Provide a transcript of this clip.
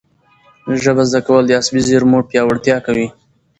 ژبه زده کول د عصبي زېرمو پیاوړتیا کوي.